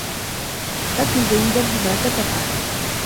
فكّر جيّدا بما ستفعل.